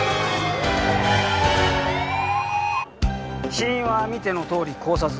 死因は見てのとおり絞殺。